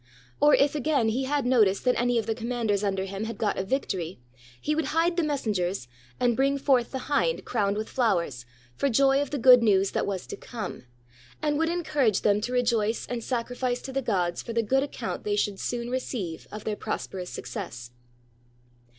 Or if again he had notice that any of the commanders under him had got a victory, he would hide the messen gers and bring forth the hind crowned with flowers, for joy of the good news that was to come, and would en courage them to rejoice and sacrifice to the gods for the good account they should soon receive of their prosper ous success.